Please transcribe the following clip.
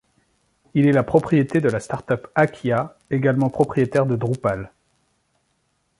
Il est la propriété de la start-up Acquia, également propriétaire de Drupal.